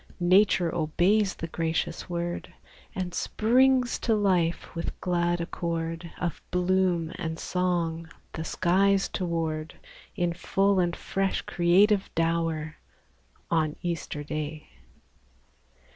Nature obeys the gracious word, And springs to life with glad accord Of bloom and song the skies toward, In full and fresh creative dower, On Easter Day.